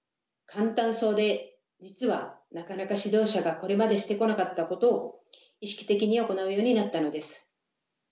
簡単そうで実はなかなか指導者がこれまでしてこなかったことを意識的に行うようになったのです。